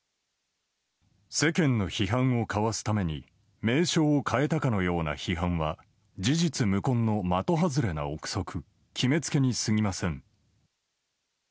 世間の批判をかわすために名称を変えたかのような批判は事実無根の的外れな憶測決めつけにすぎません。